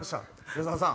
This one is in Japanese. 矢沢さん。